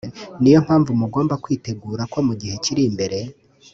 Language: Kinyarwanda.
niyo mpamvu mugomba kwitegura ko mu gihe kiri imbere